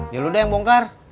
yaudah yang bongkar